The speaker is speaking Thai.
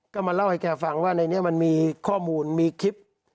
ก็มาเล่าให้แกฟังว่าในนี้มันมีข้อมูลมีคลิป